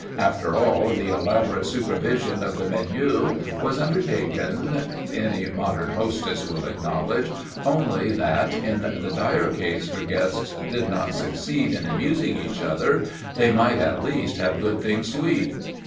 After all, the elaborate supervision of the ménu was undertaken, any modern hostess will acknowledge, only that, in the dire case her guests did not succeed in amusing each other, they might at least have good things to eat.